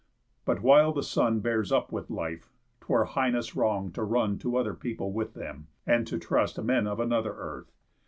But while the son Bears up with life, 'twere heinous wrong to run To other people with them, and to trust Men of another earth.